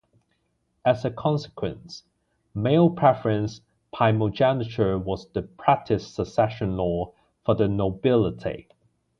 As a consequence, male-preference primogeniture was the practiced succession law for the nobility.